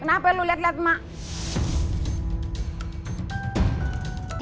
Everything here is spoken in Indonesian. kenapa lu liat liat mak